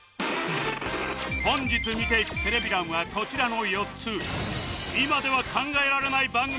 本日見ていくテレビ欄はこちらの４つ